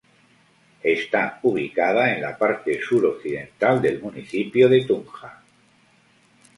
Está ubicada en la parte suroccidental del municipio de Tunja.